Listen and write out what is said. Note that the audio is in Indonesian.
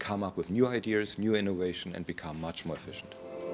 dan menciptakan ide baru inovasi baru dan menjadi lebih efisien